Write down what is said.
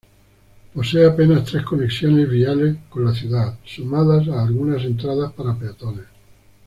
Posee apenas tres conexiones viales con la ciudad, sumadas a algunas entradas para peatones.